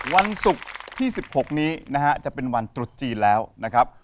วันศุกร์ที่๑๖นี้นะฮะจะเป็นวันตรุษจีนแล้วนะครับ